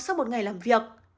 sau một ngày làm việc